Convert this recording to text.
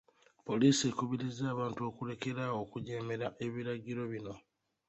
Poliisi ekubirizza abantu okulekeraawo okujeemera ebirgiro bino.